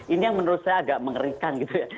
ini yang menurut saya agak mengerikan gitu ya